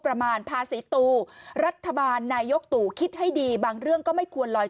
ประมาณภาษีตูรัฐบาลนายกตู่คิดให้ดีบางเรื่องก็ไม่ควรลอย